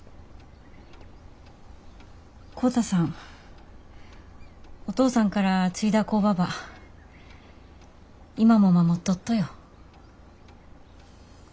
浩太さんお義父さんから継いだ工場ば今も守っとっとよ。